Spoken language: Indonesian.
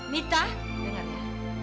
mita dengar ya